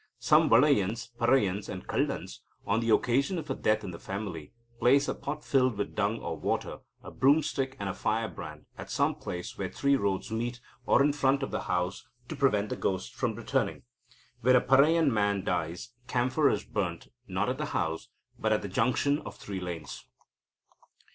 Some Valaiyans, Paraiyans, and Kallans, on the occasion of a death in the family, place a pot filled with dung or water, a broomstick, and a firebrand, at some place where three roads meet, or in front of the house, to prevent the ghost from returning. When a Paraiyan man dies, camphor is burnt, not at the house, but at the junction of three lanes.